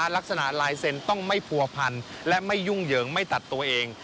ลายเซ็นต์ต้องไม่ผัวพันและไม่ยุ่งเหยิงไม่ตัดตัวเอง